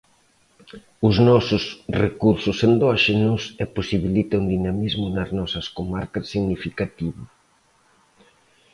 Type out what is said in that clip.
Os nosos recursos endóxenos, e posibilita un dinamismo nas nosas comarcas significativo.